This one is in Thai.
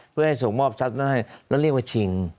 เพื่อส่งมอบทรัพย์ได้แล้วเรียกว่าชิง